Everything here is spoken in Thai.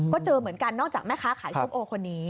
ก็เจอเหมือนกันนอกจากแม่ค้าขายส้มโอคนนี้